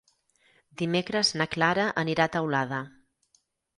Dimecres na Clara anirà a Teulada.